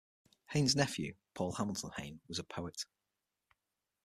Hayne's nephew, Paul Hamilton Hayne, was a poet.